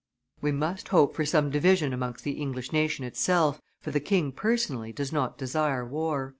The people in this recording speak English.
We must hope for some division amongst the English nation itself, for the king personally does not desire war."